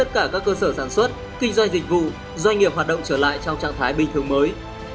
doanh nghiệp hoạt động trở lại trong trạng thái bình thường mới